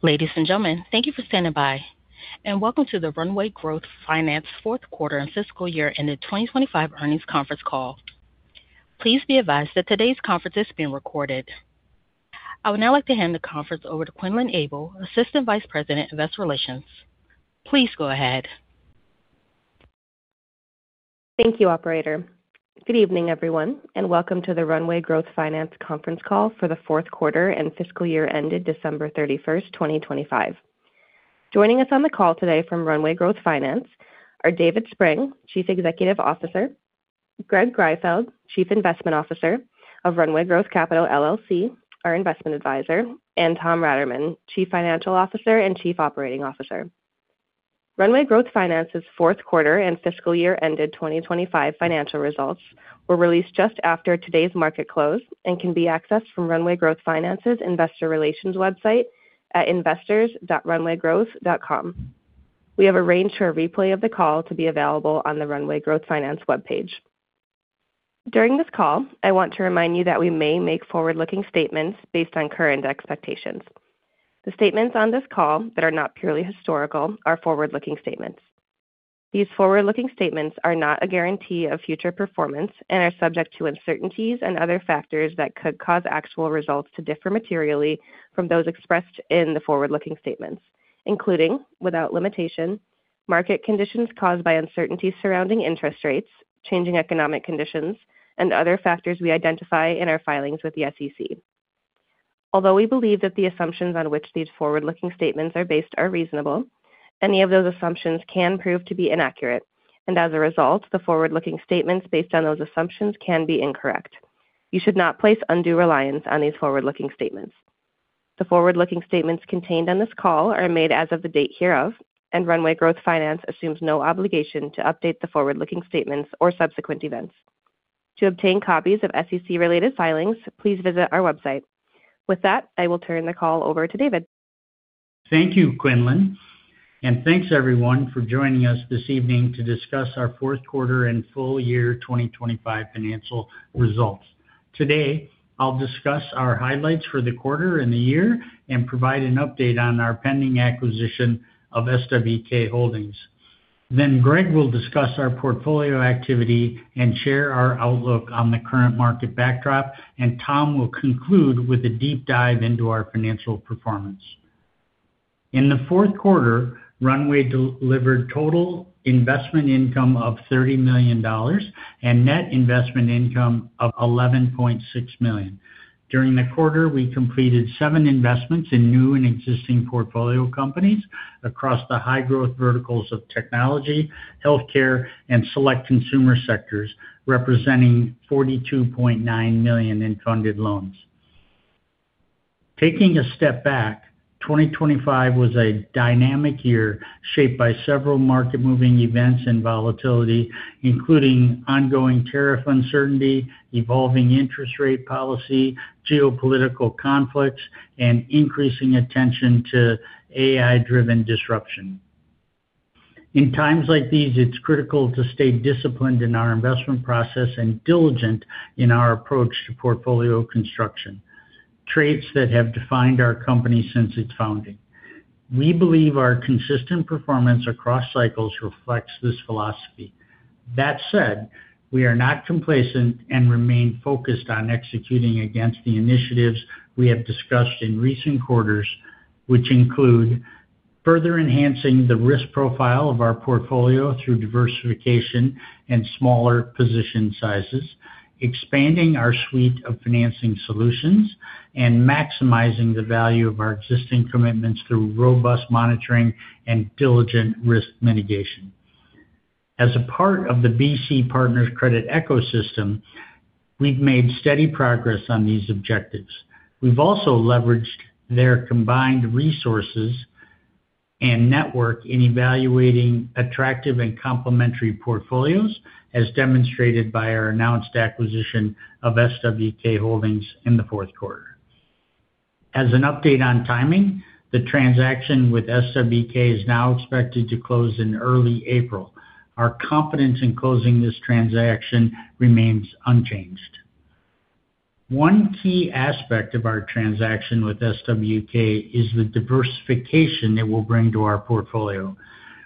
Ladies and gentlemen, thank you for standing by, and welcome to the Runway Growth Finance Q4 and Fiscal Year Ended 2025 Earnings Conference Call. Please be advised that today's conference is being recorded. I would now like to hand the conference over to Quinlan Abel, Assistant Vice President, Investor Relations. Please go ahead. Thank you, operator. Good evening, everyone, and welcome to the Runway Growth Finance conference call for the Q4 and fiscal year ended December 31, 2025. Joining us on the call today from Runway Growth Finance are David Spreng, Chief Executive Officer, Greg Greifeld, Chief Investment Officer of Runway Growth Capital LLC, our investment advisor, and Tom Raterman, Chief Financial Officer and Chief Operating Officer. Runway Growth Finance's Q4 and fiscal year ended 2025 financial results were released just after today's market close and can be accessed from Runway Growth Finance's investor relations website at investors.runwaygrowth.com. We have arranged for a replay of the call to be available on the Runway Growth Finance webpage. During this call, I want to remind you that we may make forward-looking statements based on current expectations. The statements on this call that are not purely historical are forward-looking statements. These forward-looking statements are not a guarantee of future performance and are subject to uncertainties and other factors that could cause actual results to differ materially from those expressed in the forward-looking statements, including, without limitation, market conditions caused by uncertainties surrounding interest rates, changing economic conditions, and other factors we identify in our filings with the SEC. Although we believe that the assumptions on which these forward-looking statements are based are reasonable, any of those assumptions can prove to be inaccurate, and as a result, the forward-looking statements based on those assumptions can be incorrect. You should not place undue reliance on these forward-looking statements. The forward-looking statements contained on this call are made as of the date hereof, and Runway Growth Finance assumes no obligation to update the forward-looking statements or subsequent events. To obtain copies of SEC-related filings, please visit our website. With that, I will turn the call over to David. Thank you, Quinlan. Thanks, everyone, for joining us this evening to discuss our Q4 and Full Year 2025 Financial Results. Today, I'll discuss our highlights for the quarter and the year and provide an update on our pending acquisition of SWK Holdings. Greg will discuss our portfolio activity and share our outlook on the current market backdrop, and Tom will conclude with a deep dive into our financial performance. In the Q4, Runway delivered total investment income of $30 million and net investment income of $11.6 million. During the quarter, we completed 7 investments in new and existing portfolio companies across the high-growth verticals of technology, healthcare, and select consumer sectors, representing $42.9 million in funded loans. Taking a step back, 2025 was a dynamic year shaped by several market-moving events and volatility, including ongoing tariff uncertainty, evolving interest rate policy, geopolitical conflicts, and increasing attention to AI-driven disruption. In times like these, it's critical to stay disciplined in our investment process and diligent in our approach to portfolio construction, traits that have defined our company since its founding. We believe our consistent performance across cycles reflects this philosophy. That said, we are not complacent and remain focused on executing against the initiatives we have discussed in recent quarters, which include further enhancing the risk profile of our portfolio through diversification and smaller position sizes, expanding our suite of financing solutions, and maximizing the value of our existing commitments through robust monitoring and diligent risk mitigation. As a part of the BC Partners credit ecosystem, we've made steady progress on these objectives. We've also leveraged their combined resources and network in evaluating attractive and complementary portfolios, as demonstrated by our announced acquisition of SWK Holdings in the Q4. As an update on timing, the transaction with SWK is now expected to close in early April. Our confidence in closing this transaction remains unchanged. One key aspect of our transaction with SWK is the diversification it will bring to our portfolio.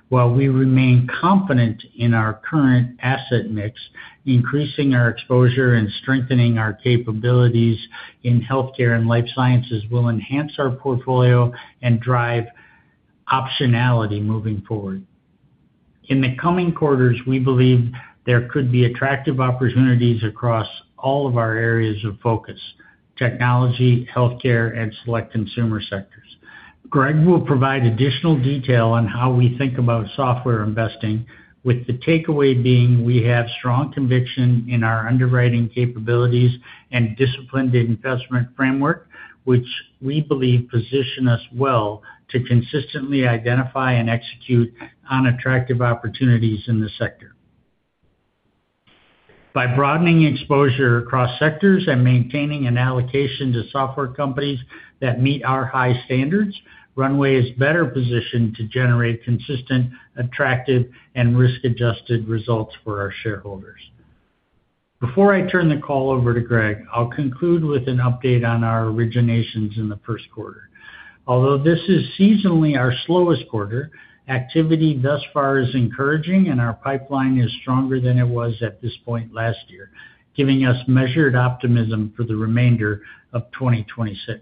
While we remain confident in our current asset mix, increasing our exposure and strengthening our capabilities in healthcare and life sciences will enhance our portfolio and drive optionality moving forward. In the coming quarters, we believe there could be attractive opportunities across all of our areas of focus, technology, healthcare, and select consumer sectors. Greg will provide additional detail on how we think about software investing, with the takeaway being we have strong conviction in our underwriting capabilities and disciplined investment framework, which we believe position us well to consistently identify and execute on attractive opportunities in the sector. By broadening exposure across sectors and maintaining an allocation to software companies that meet our high standards, Runway is better positioned to generate consistent, attractive, and risk-adjusted results for our shareholders. Before I turn the call over to Greg, I'll conclude with an update on our originations in the Q1. Although this is seasonally our slowest quarter, activity thus far is encouraging, and our pipeline is stronger than it was at this point last year, giving us measured optimism for the remainder of 2026.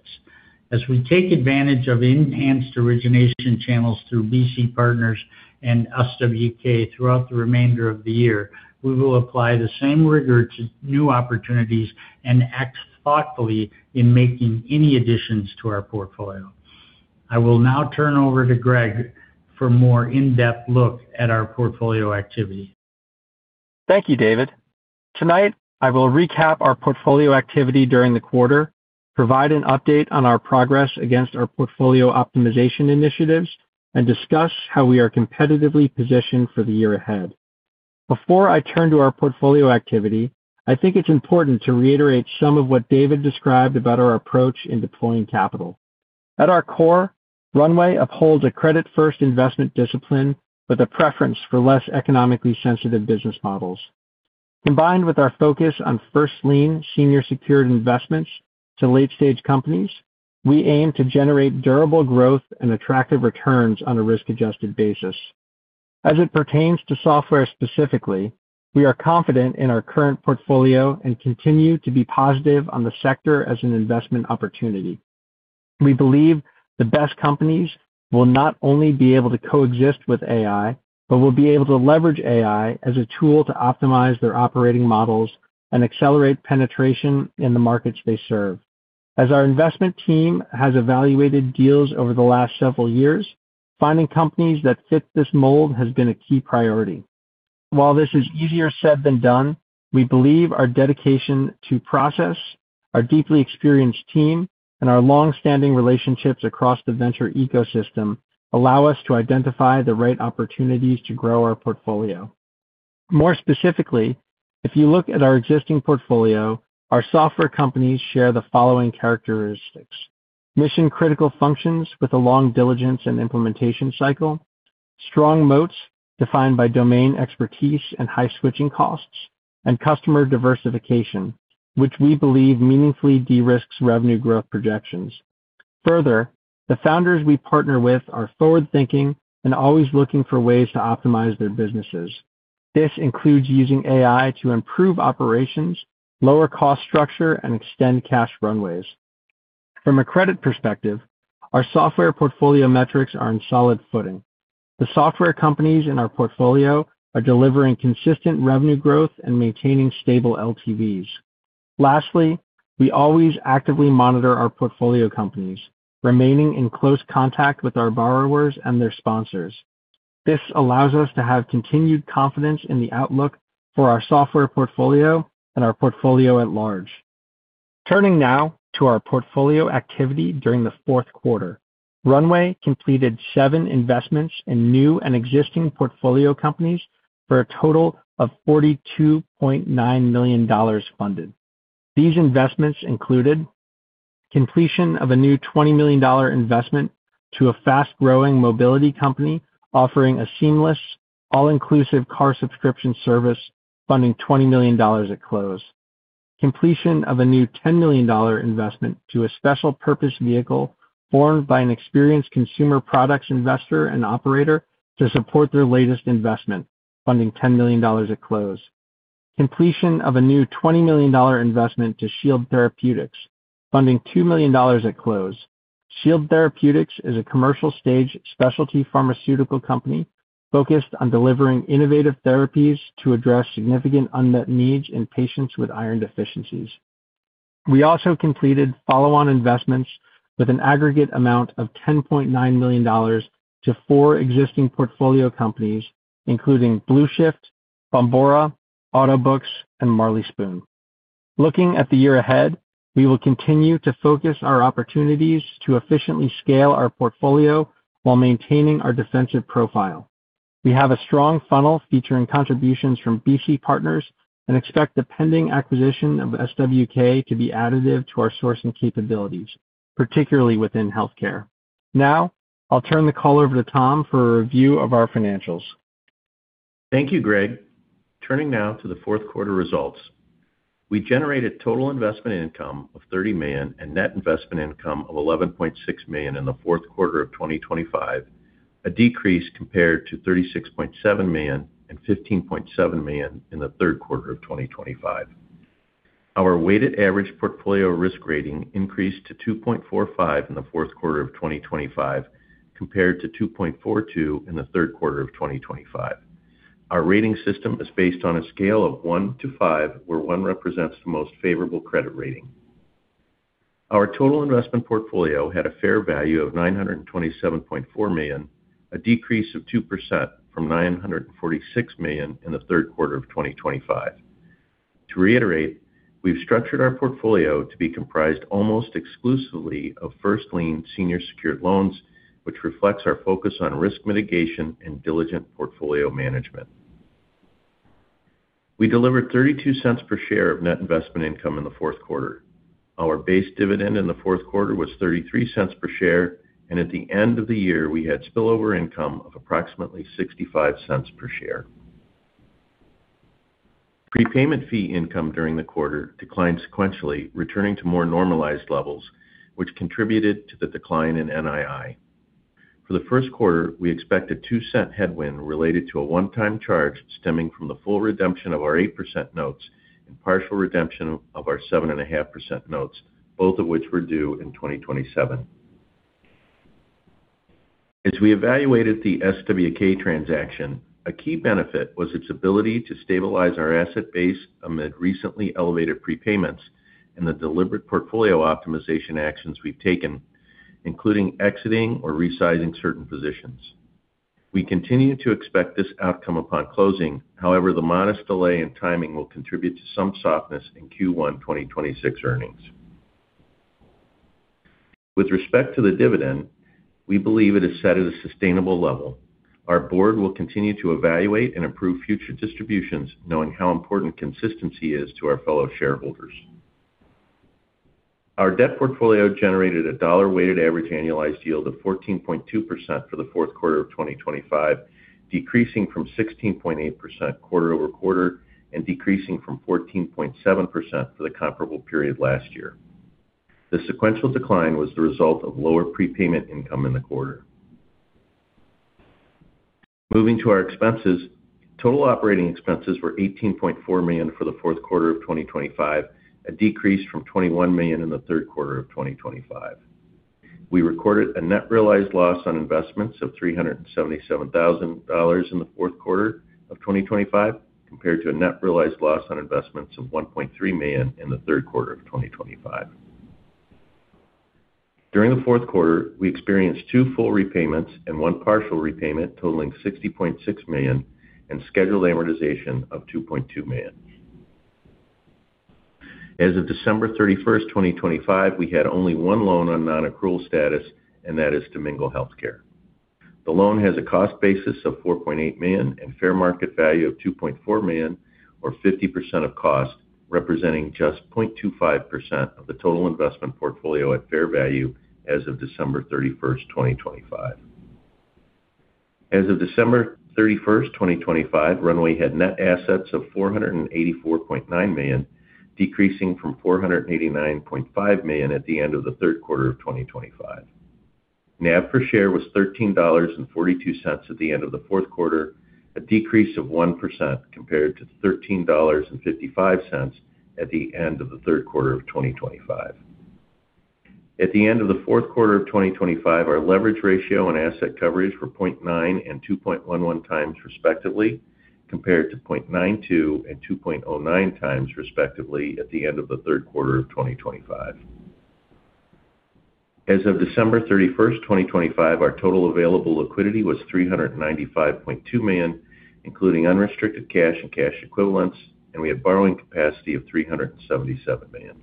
As we take advantage of enhanced origination channels through BC Partners and SWK throughout the remainder of the year, we will apply the same rigor to new opportunities and act thoughtfully in making any additions to our portfolio. I will now turn over to Greg for more in-depth look at our portfolio activity. Thank you, David. Tonight, I will recap our portfolio activity during the quarter, provide an update on our progress against our portfolio optimization initiatives, and discuss how we are competitively positioned for the year ahead. Before I turn to our portfolio activity, I think it's important to reiterate some of what David described about our approach in deploying capital. At our core, Runway upholds a credit-first investment discipline with a preference for less economically sensitive business models. Combined with our focus on first lien senior secured investments to late-stage companies, we aim to generate durable growth and attractive returns on a risk-adjusted basis. As it pertains to software specifically, we are confident in our current portfolio and continue to be positive on the sector as an investment opportunity. We believe the best companies will not only be able to coexist with AI but will be able to leverage AI as a tool to optimize their operating models and accelerate penetration in the markets they serve. As our investment team has evaluated deals over the last several years, finding companies that fit this mold has been a key priority. While this is easier said than done, we believe our dedication to process, our deeply experienced team, and our long-standing relationships across the venture ecosystem allow us to identify the right opportunities to grow our portfolio. More specifically, if you look at our existing portfolio, our software companies share the following characteristics, mission-critical functions with a long diligence and implementation cycle, strong moats defined by domain expertise and high switching costs, and customer diversification, which we believe meaningfully de-risks revenue growth projections. Further, the founders we partner with are forward-thinking and always looking for ways to optimize their businesses. This includes using AI to improve operations, lower cost structure, and extend cash runways. From a credit perspective, our software portfolio metrics are on solid footing. The software companies in our portfolio are delivering consistent revenue growth and maintaining stable LTVs. Lastly, we always actively monitor our portfolio companies, remaining in close contact with our borrowers and their sponsors. This allows us to have continued confidence in the outlook for our software portfolio and our portfolio at large. Turning now to our portfolio activity during the Q4. Runway completed 7 investments in new and existing portfolio companies for a total of $42.9 million funded. These investments included completion of a new $20 million investment to a fast-growing mobility company offering a seamless, all-inclusive car subscription service, funding $20 million at close. Completion of a new $10 million investment to a special purpose vehicle formed by an experienced consumer products investor and operator to support their latest investment, funding $10 million at close. Completion of a new $20 million investment to Shield Therapeutics, funding $2 million at close. Shield Therapeutics is a commercial-stage specialty pharmaceutical company focused on delivering innovative therapies to address significant unmet needs in patients with iron deficiencies. We also completed follow-on investments with an aggregate amount of $10.9 million to four existing portfolio companies, including Blueshift, Bombora, Autobooks, and Marley Spoon. Looking at the year ahead, we will continue to focus our opportunities to efficiently scale our portfolio while maintaining our defensive profile. We have a strong funnel featuring contributions from BC Partners and expect the pending acquisition of SWK to be additive to our sourcing capabilities, particularly within healthcare. Now, I'll turn the call over to Tom for a review of our financials. Thank you, Greg. Turning now to the Q4 results. We generated total investment income of $30 million and net investment income of $11.6 million in the Q4 of 2025, a decrease compared to $36.7 million and $15.7 million in the Q3 of 2025. Our weighted average portfolio risk rating increased to 2.45 in the Q4 of 2025 compared to 2.42 in the Q3 of 2025. Our rating system is based on a scale of 1 to 5, where 1 represents the most favorable credit rating. Our total investment portfolio had a fair value of $927.4 million, a decrease of 2% from $946 million in the Q3 of 2025. To reiterate, we've structured our portfolio to be comprised almost exclusively of first lien senior secured loans, which reflects our focus on risk mitigation and diligent portfolio management. We delivered $0.32 per share of net investment income in the Q4. our base dividend in the Q4 was $0.33 per share, and at the end of the year we had spillover income of approximately $0.65 per share. Prepayment fee income during the quarter declined sequentially, returning to more normalized levels, which contributed to the decline in NII. For the Q1, we expect a $0.02 headwind related to a one-time charge stemming from the full redemption of our 8% notes and partial redemption of our 7.5% notes, both of which were due in 2027. As we evaluated the SWK transaction, a key benefit was its ability to stabilize our asset base amid recently elevated prepayments and the deliberate portfolio optimization actions we've taken, including exiting or resizing certain positions. We continue to expect this outcome upon closing. However, the modest delay in timing will contribute to some softness in Q1 2026 earnings. With respect to the dividend, we believe it is set at a sustainable level. Our board will continue to evaluate and approve future distributions, knowing how important consistency is to our fellow shareholders. Our debt portfolio generated a dollar weighted average annualized yield of 14.2% for the Q4 of 2025, decreasing from 16.8% quarter-over-quarter and decreasing from 14.7% for the comparable period last year. The sequential decline was the result of lower prepayment income in the quarter. Moving to our expenses, total operating expenses were $18.4 million for the Q4 of 2025, a decrease from $21 million in the Q3 of 2025. We recorded a net realized loss on investments of $377 thousand in the Q4 of 2025 compared to a net realized loss on investments of $1.3 million in the Q3 of 2025. During the Q4, we experienced two full repayments and one partial repayment totaling $60.6 million and scheduled amortization of $2.2 million. As of December 31st, 2025, we had only one loan on non-accrual status, and that is Domingo Healthcare. The loan has a cost basis of $4.8 million and fair market value of $2.4 million or 50% of cost, representing just 0.25% of the total investment portfolio at fair value as of December 31st, 2025. As of December 31st, 2025, Runway had net assets of $484.9 million, decreasing from $489.5 million at the end of the Q3 of 2025. NAV per share was $13.42 at the end of the Q4, a decrease of 1% compared to $13.55 at the end of the Q3 of 2025. At the end of the Q4 of 2025, our leverage ratio and asset coverage were 0.9 and 2.11 times respectively, compared to 0.92 and 2.09 times respectively at the end of the Q3 of 2025. As of December 31st, 2025, our total available liquidity was $395.2 million, including unrestricted cash and cash equivalents, and we had borrowing capacity of $377 million.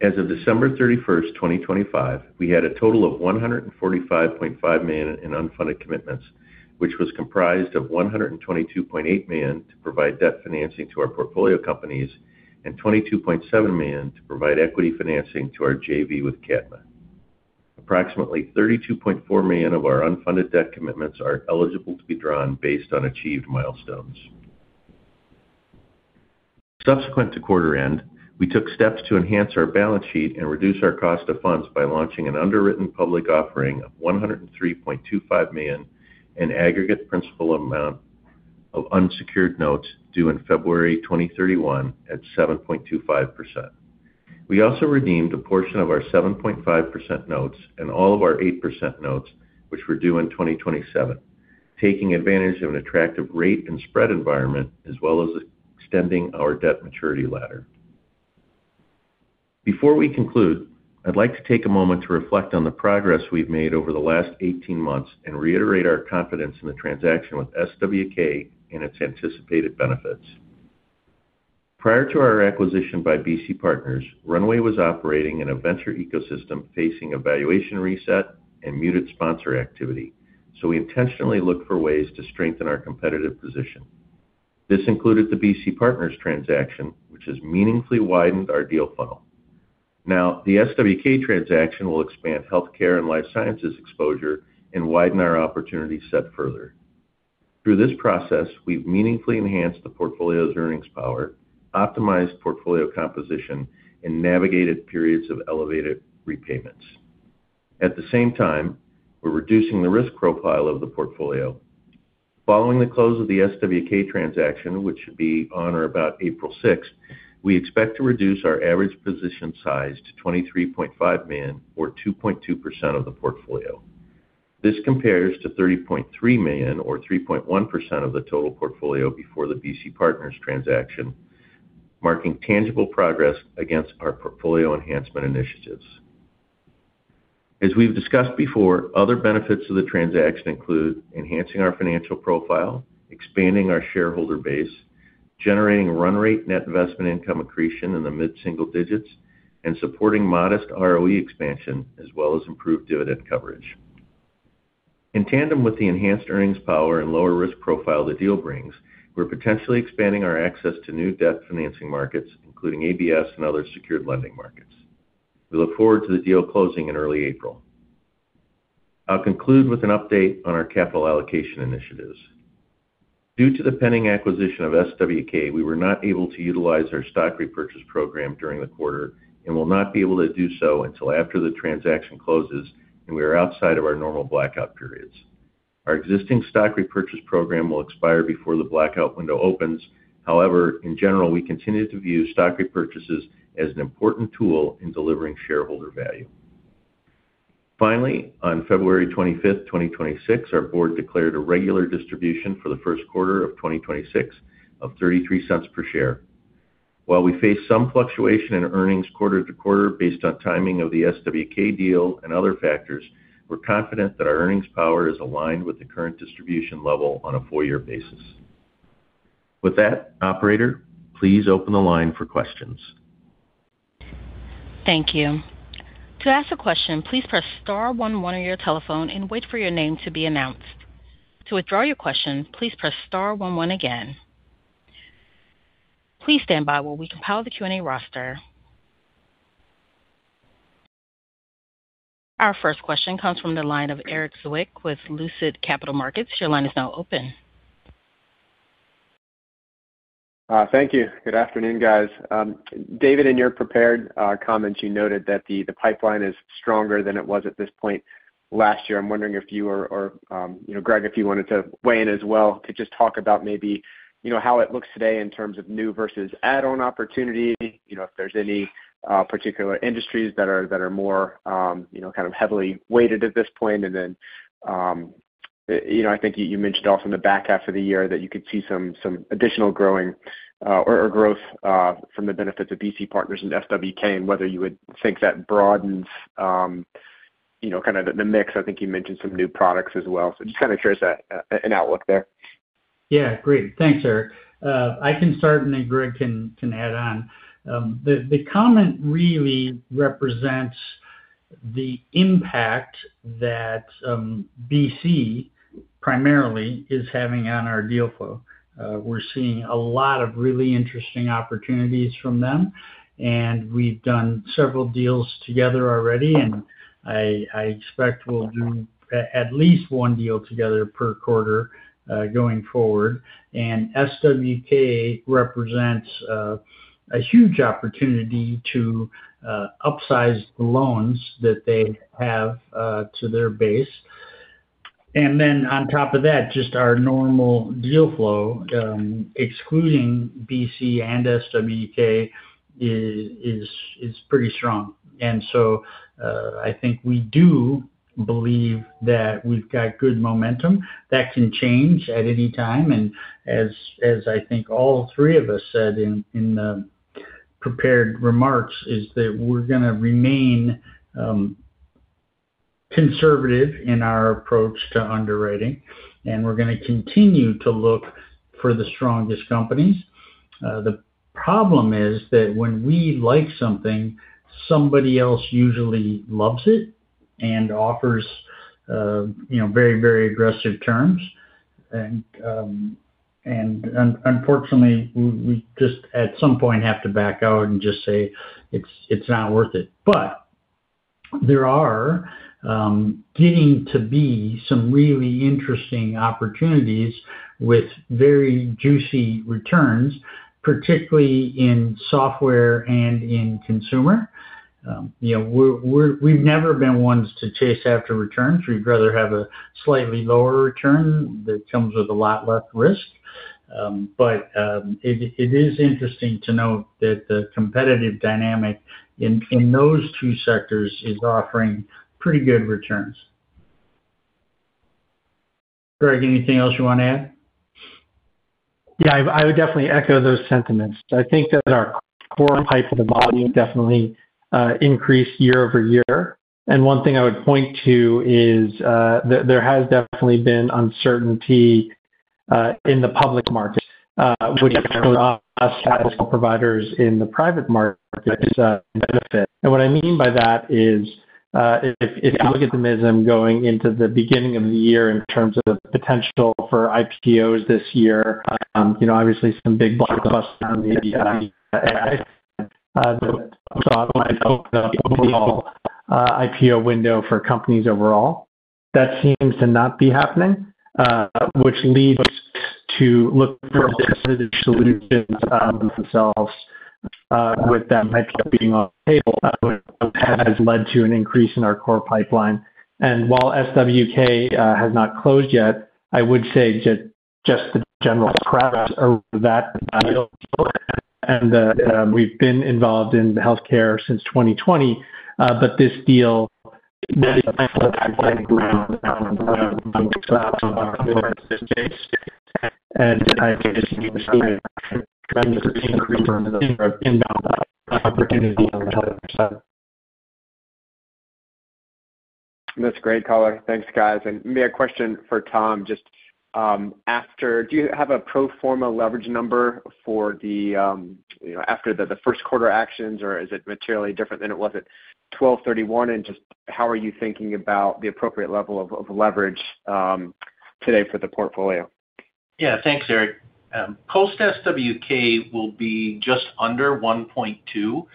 As of December 31st, 2025, we had a total of $145.5 million in unfunded commitments, which was comprised of $122.8 million to provide debt financing to our portfolio companies and $22.7 million to provide equity financing to our JV with Cadma. Approximately $32.4 million of our unfunded debt commitments are eligible to be drawn based on achieved milestones. Subsequent to quarter end, we took steps to enhance our balance sheet and reduce our cost of funds by launching an underwritten public offering of $103.25 million in aggregate principal amount of unsecured notes due in February 2031 at 7.25%. We also redeemed a portion of our 7.5% notes and all of our 8% notes, which were due in 2027, taking advantage of an attractive rate and spread environment as well as extending our debt maturity ladder. Before we conclude, I'd like to take a moment to reflect on the progress we've made over the last 18 months and reiterate our confidence in the transaction with SWK and its anticipated benefits. Prior to our acquisition by BC Partners, Runway was operating in a venture ecosystem facing a valuation reset and muted sponsor activity, so we intentionally looked for ways to strengthen our competitive position. This included the BC Partners transaction, which has meaningfully widened our deal funnel. Now, the SWK transaction will expand healthcare and life sciences exposure and widen our opportunity set further. Through this process, we've meaningfully enhanced the portfolio's earnings power, optimized portfolio composition, and navigated periods of elevated repayments. At the same time, we're reducing the risk profile of the portfolio. Following the close of the SWK transaction, which should be on or about April 6th, we expect to reduce our average position size to $23.5 million or 2.2% of the portfolio. This compares to $30.3 million or 3.1% of the total portfolio before the BC Partners transaction, marking tangible progress against our portfolio enhancement initiatives. As we've discussed before, other benefits of the transaction include enhancing our financial profile, expanding our shareholder base, generating run rate net investment income accretion in the mid-single digits, and supporting modest ROE expansion as well as improved dividend coverage. In tandem with the enhanced earnings power and lower risk profile the deal brings, we're potentially expanding our access to new debt financing markets, including ABS and other secured lending markets. We look forward to the deal closing in early April. I'll conclude with an update on our capital allocation initiatives. Due to the pending acquisition of SWK, we were not able to utilize our stock repurchase program during the quarter and will not be able to do so until after the transaction closes and we are outside of our normal blackout periods. Our existing stock repurchase program will expire before the blackout window opens. However, in general, we continue to view stock repurchases as an important tool in delivering shareholder value. Finally, on February 25th, 2026, our board declared a regular distribution for the Q1 of 2026 of $0.33 per share. While we face some fluctuation in earnings quarter-to-quarter based on timing of the SWK deal and other factors, we're confident that our earnings power is aligned with the current distribution level on a four-year basis. With that, operator, please open the line for questions. Thank you. To ask a question, please press star one one on your telephone and wait for your name to be announced. To withdraw your question, please press star one one again. Please stand by while we compile the Q&A roster. Our first question comes from the line of Erik Zwick with Lucid Capital Markets. Your line is now open. Thank you. Good afternoon, guys. David, in your prepared comments, you noted that the pipeline is stronger than it was at this point last year. I'm wondering if you or Greg, if you wanted to weigh in as well, could you just talk about maybe, you know, how it looks today in terms of new versus add-on opportunity, you know, if there's any particular industries that are more kind of heavily weighted at this point. You know, I think you mentioned also in the back half of the year that you could see some additional growth from the benefits of BC Partners and SWK and whether you would think that broadens kind of the mix. I think you mentioned some new products as well. Just kind of share with us an outlook there. Yeah. Great. Thanks, Erik. I can start, and then Greg can add on. The comment really represents the impact that BC primarily is having on our deal flow. We're seeing a lot of really interesting opportunities from them, and we've done several deals together already, and I expect we'll do at least one deal together per quarter, going forward. SWK represents a huge opportunity to upsize the loans that they have to their base. On top of that, just our normal deal flow, excluding BC and SWK is pretty strong. I think we do believe that we've got good momentum. That can change at any time, as I think all three of us said in the prepared remarks, is that we're gonna remain conservative in our approach to underwriting, and we're gonna continue to look for the strongest companies. The problem is that when we like something, somebody else usually loves it and offers, you know, very aggressive terms. Unfortunately, we just at some point have to back out and just say, "It's not worth it." There are getting to be some really interesting opportunities with very juicy returns, particularly in software and in consumer. You know, we've never been ones to chase after returns. We'd rather have a slightly lower return that comes with a lot less risk. It is interesting to note that the competitive dynamic in those two sectors is offering pretty good returns. Greg, anything else you wanna add? Yeah, I would definitely echo those sentiments. I think that our core pipeline at the bottom definitely increased year-over-year. One thing I would point to is, there has definitely been uncertainty in the public market, which for us as providers in the private market is a benefit. What I mean by that is, if you look at going into the beginning of the year in terms of potential for IPOs this year, you know, obviously some big blockbusters on the IPO window for companies overall, that seems to not be happening. Which leads to look for alternative solutions, themselves, with that IPO being off the table, has led to an increase in our core pipeline. While SWK has not closed yet, I would say just we've been involved in healthcare since 2020. But this deal that is an inbound opportunity on the healthcare side. That's great color. Thanks, guys. Maybe a question for Tom, just. Do you have a pro forma leverage number for the, you know, after the Q1 actions or is it materially different than it was at 12/31? Just how are you thinking about the appropriate level of leverage today for the portfolio? Yeah. Thanks, Erik. Post SWK will be just under 1.2.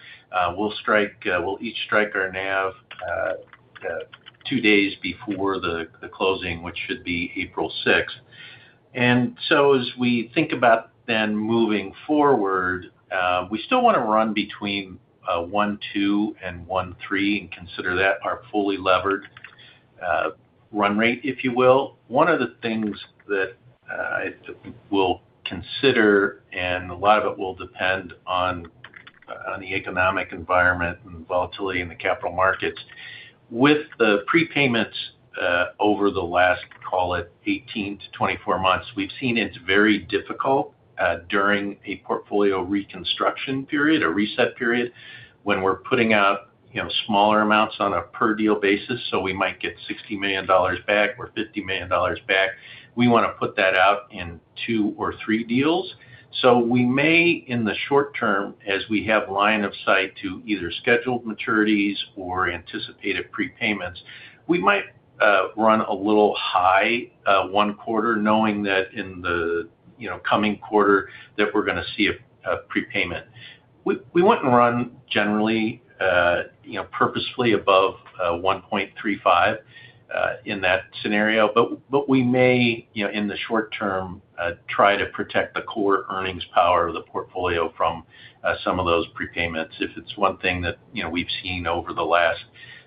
We'll each strike our NAV two days before the closing, which should be April 6th. As we think about then moving forward, we still wanna run between 1.2 and 1.3 and consider that our fully levered run rate, if you will. One of the things that we'll consider, and a lot of it will depend on the economic environment and volatility in the capital markets. With the prepayments over the last, call it 18-24 months, we've seen it's very difficult during a portfolio reconstruction period or reset period when we're putting out, you know, smaller amounts on a per deal basis. We might get $60 million back or $50 million back. We wanna put that out in 2 or 3 deals. We may, in the short term, as we have line of sight to either scheduled maturities or anticipated prepayments, we might run a little high one quarter knowing that in the, you know, coming quarter that we're gonna see a prepayment. We wouldn't run generally, you know, purposefully above 1.35 in that scenario. We may, you know, in the short term, try to protect the core earnings power of the portfolio from some of those prepayments. If it's one thing that, you know, we've seen over the last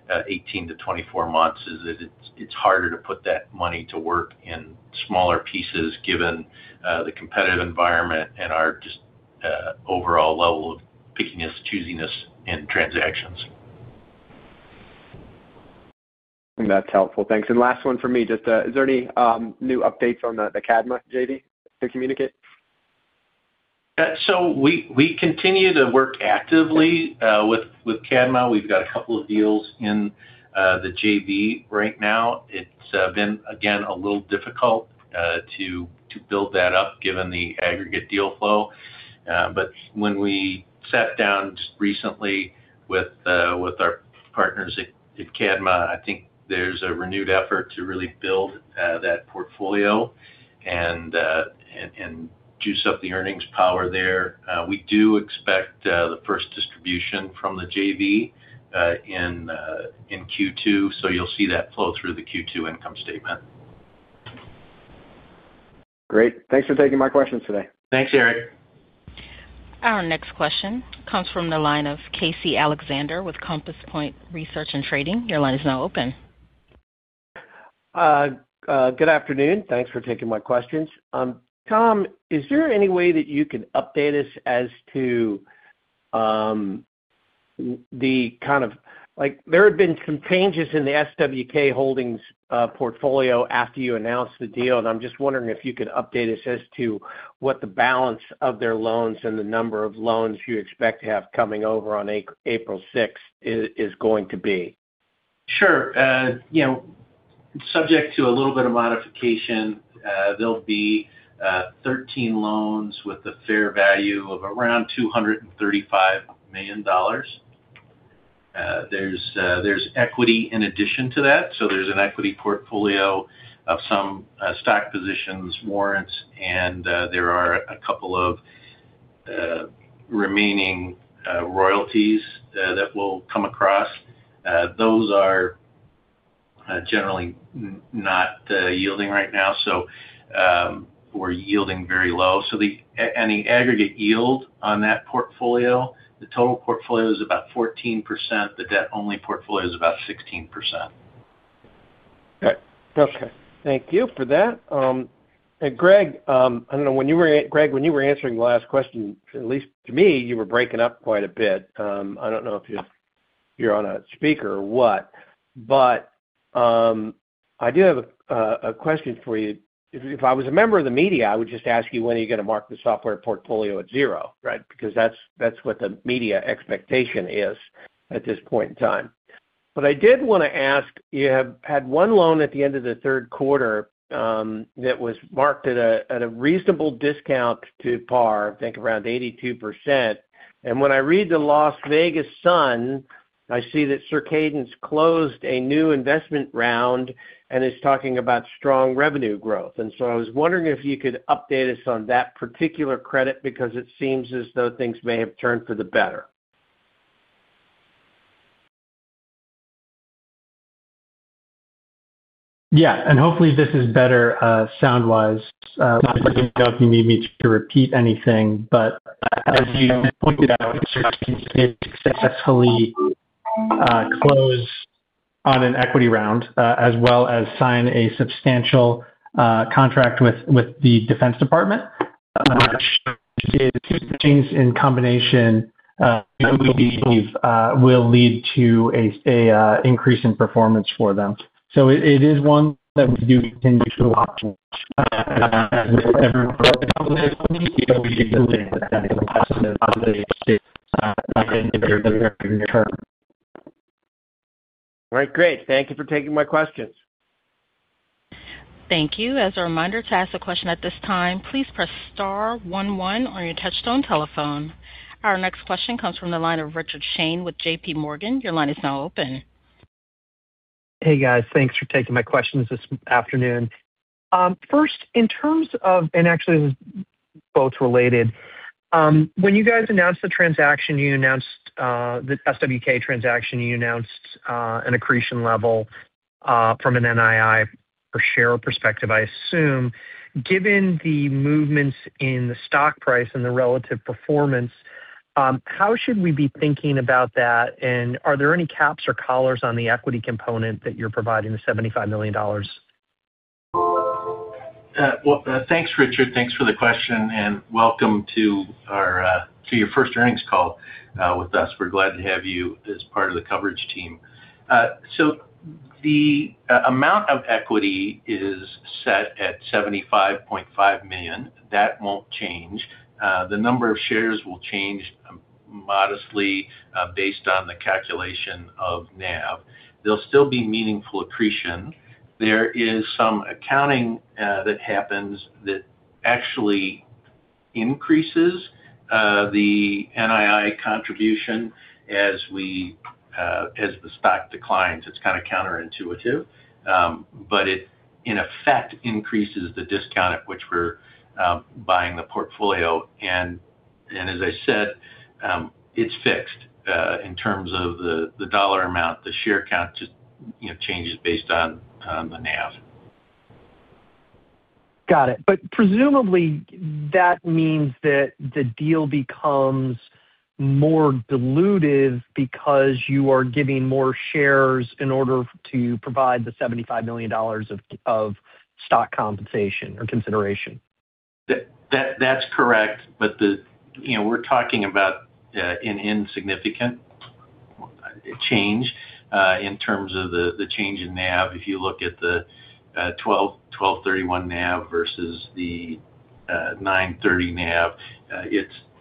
18-24 months is that it's harder to put that money to work in smaller pieces given the competitive environment and our just overall level of pickiness, choosiness in transactions. That's helpful. Thanks. Last one for me. Just, is there any new updates on the Cadma JV to communicate? We continue to work actively with Cadma. We've got a couple of deals in the JV right now. It's been, again, a little difficult to build that up given the aggregate deal flow. When we sat down recently with our partners at Cadma, I think there's a renewed effort to really build that portfolio and juice up the earnings power there. We do expect the first distribution from the JV in Q2, so you'll see that flow through the Q2 income statement. Great. Thanks for taking my questions today. Thanks, Erik. Our next question comes from the line of Casey Alexander with Compass Point Research & Trading. Your line is now open. Good afternoon. Thanks for taking my questions. Tom, is there any way that you can update us as to like there have been some changes in the SWK Holdings portfolio after you announced the deal, and I'm just wondering if you could update us as to what the balance of their loans and the number of loans you expect to have coming over on April 6th is going to be. Sure. You know, subject to a little bit of modification, there'll be 13 loans with a fair value of around $235 million. There's equity in addition to that. There's an equity portfolio of some stock positions, warrants, and there are a couple of remaining royalties that will come across. Those are generally not yielding right now, or yielding very low. And the aggregate yield on that portfolio, the total portfolio is about 14%. The debt only portfolio is about 16%. Okay. Thank you for that. Greg, when you were answering the last question, at least to me, you were breaking up quite a bit. I don't know if you're on a speaker or what. I do have a question for you. If I was a member of the media, I would just ask you, when are you gonna mark the software portfolio at zero, right? Because that's what the media expectation is at this point in time. I did wanna ask, you have had one loan at the end of the Q3 that was marked at a reasonable discount to par, I think around 82%. When I read the Las Vegas Sun, I see that Circadence closed a new investment round and is talking about strong revenue growth. I was wondering if you could update us on that particular credit because it seems as though things may have turned for the better. Yeah. Hopefully this is better sound wise. Let me know if you need me to repeat anything. As you pointed out, Circadence did successfully close on an equity round as well as sign a substantial contract with the Department of Defense, which is two things in combination that we believe will lead to an increase in performance for them. It is one that we do continue to watch. All right, great. Thank you for taking my questions. Thank you. As a reminder, to ask a question at this time, please press star one one on your touchtone telephone. Our next question comes from the line of Rick Shane with JPMorgan. Your line is now open. Hey, guys. Thanks for taking my questions this afternoon. First, actually this is both related, when you guys announced the transaction, you announced the SWK transaction, you announced an accretion level from an NII per share perspective, I assume. Given the movements in the stock price and the relative performance, how should we be thinking about that? Are there any caps or collars on the equity component that you're providing the $75 million? Well, thanks, Rick. Thanks for the question, and welcome to your first earnings call with us. We're glad to have you as part of the coverage team. The amount of equity is set at $75.5 million. That won't change. The number of shares will change modestly, based on the calculation of NAV. There'll still be meaningful accretion. There is some accounting that happens that actually increases the NII contribution as the stock declines. It's kinda counterintuitive. It, in effect, increases the discount at which we're buying the portfolio. As I said, it's fixed in terms of the dollar amount. The share count just, you know, changes based on the NAV. Got it. Presumably, that means that the deal becomes more dilutive because you are giving more shares in order to provide the $75 million of stock compensation or consideration. That's correct. You know, we're talking about an insignificant change in terms of the change in NAV. If you look at the 12/31 NAV versus the 9/30 NAV,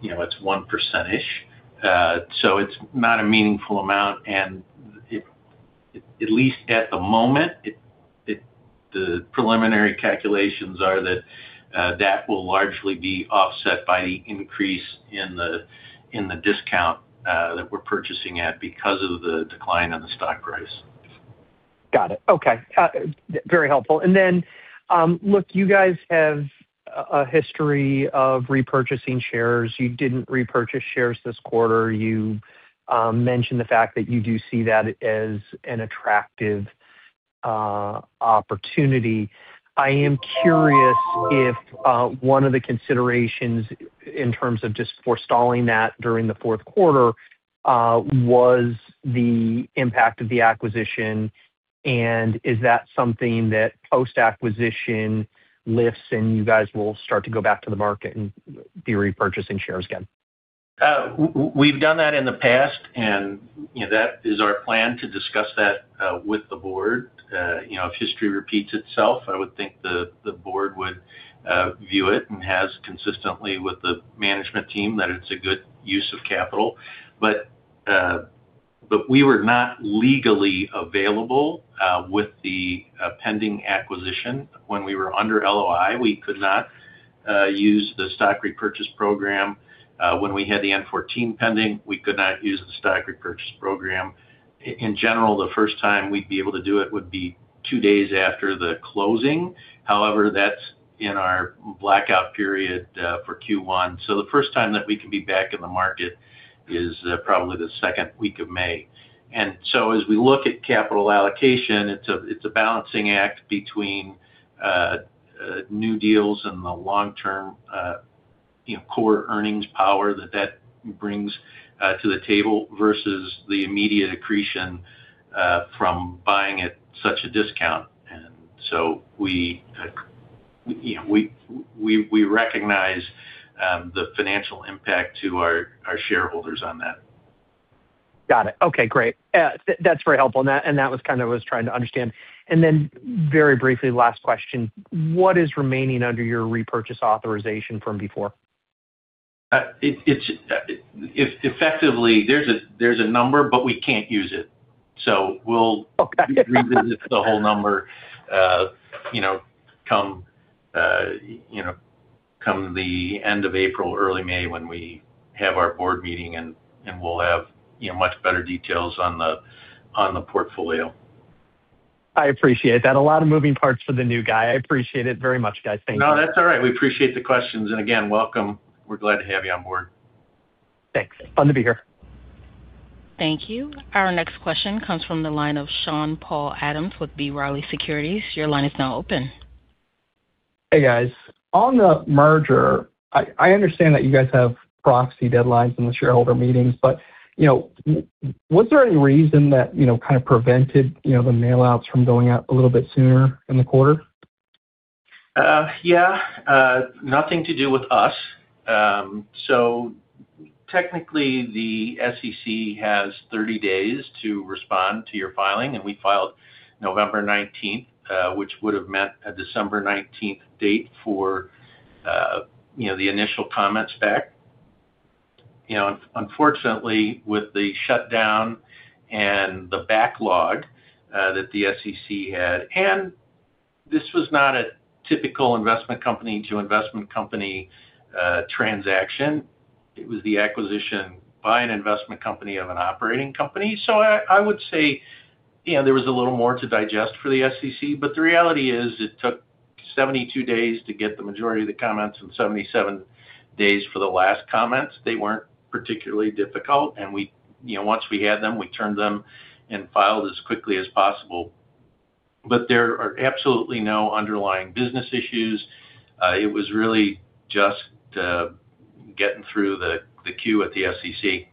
you know, it's 1%-ish. It's not a meaningful amount. It at least at the moment the preliminary calculations are that that will largely be offset by increase in the discount that we're purchasing at because of the decline on the stock price. Got it. Okay. Very helpful. Then, look, you guys have a history of repurchasing shares. You didn't repurchase shares this quarter. You mentioned the fact that you do see that as an attractive opportunity. I am curious if one of the considerations in terms of just forestalling that during the Q4 was the impact of the acquisition, and is that something that post-acquisition lifts and you guys will start to go back to the market and be repurchasing shares again? We've done that in the past, and you know, that is our plan to discuss that with the board. You know, if history repeats itself, I would think the board would view it and has consistently with the management team that it's a good use of capital. But we were not legally available with the pending acquisition. When we were under LOI, we could not use the stock repurchase program. When we had the N-14 pending, we could not use the stock repurchase program. In general, the first time we'd be able to do it would be two days after the closing. However, that's in our blackout period for Q1. The first time that we can be back in the market is probably the second week of May. As we look at capital allocation, it's a balancing act between new deals and the long-term you know core earnings power that brings to the table versus the immediate accretion from buying at such a discount. We recognize the financial impact to our shareholders on that. Got it. Okay, great. That's very helpful. That was kind of what I was trying to understand. Very briefly, last question. What is remaining under your repurchase authorization from before? It's effectively. There's a number, but we can't use it. We'll- Okay. Revisit the whole number, you know, come the end of April, early May when we have our board meeting, and we'll have, you know, much better details on the portfolio. I appreciate that. A lot of moving parts for the new guy. I appreciate it very much, guys. Thank you. No, that's all right. We appreciate the questions. Again, welcome. We're glad to have you on board. Thanks. Fun to be here. Thank you. Our next question comes from the line of Sean-Paul Adams with B. Riley Securities. Your line is now open. Hey, guys. On the merger, I understand that you guys have proxy deadlines in the shareholder meetings, but, you know, was there any reason that, you know, kind of prevented, you know, the mail outs from going out a little bit sooner in the quarter? Yeah. Nothing to do with us. Technically, the SEC has 30 days to respond to your filing, and we filed November 19th, which would have meant a December 19th date for, you know, the initial comments back. You know, unfortunately, with the shutdown and the backlog that the SEC had, and this was not a typical investment company to investment company transaction. It was the acquisition by an investment company of an operating company. I would say, you know, there was a little more to digest for the SEC, but the reality is it took 72 days to get the majority of the comments and 77 days for the last comments. They weren't particularly difficult, and we, you know, once we had them, we turned them and filed as quickly as possible. There are absolutely no underlying business issues. It was really just getting through the queue at the SEC.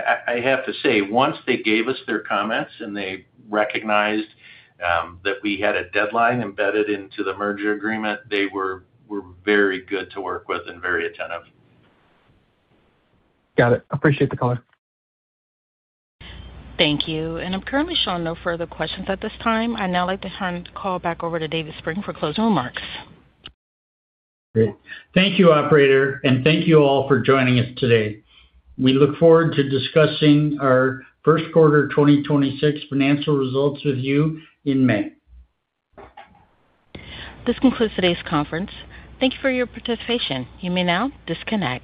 I have to say, once they gave us their comments and they recognized that we had a deadline embedded into the merger agreement, they were very good to work with and very attentive. Got it. Appreciate the call. Thank you. I'm currently showing no further questions at this time. I'd now like to turn the call back over to David Spreng for closing remarks. Great. Thank you, operator, and thank you all for joining us today. We look forward to discussing our Q1 2026 Financial Results with you in May. This concludes today's conference. Thank you for your participation. You may now disconnect.